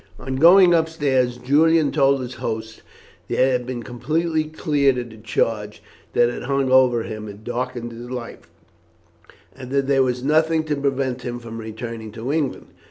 On going upstairs Julian told his hosts that he had been completely cleared of the charge that had hung over him and darkened his life, and that there was nothing to prevent him from returning to England.